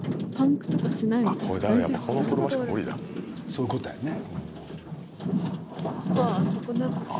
そういうことだよね。